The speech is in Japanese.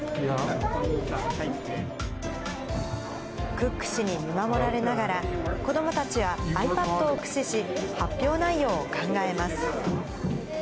クック氏に見守られながら、子どもたちはｉＰａｄを駆使し、発表内容を考えます。